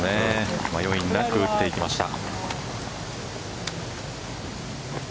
迷いなく打っていきました。